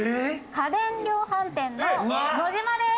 家電量販店のノジマです。